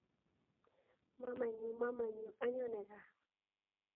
Mamanyu!mamanyu! anyone gaa!